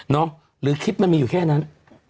หรือคลิปมันมีอยู่แค่นั้น